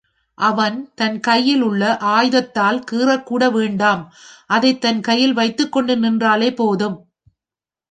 அவன் தன் கையில் உள்ள ஆயுதத்தால் கீறக்கூட வேண்டாம் அதைத் தன் கையில் வைத்துக் கொண்டு நின்றாலே போதும்.